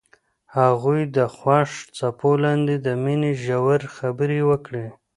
هغوی د خوښ څپو لاندې د مینې ژورې خبرې وکړې.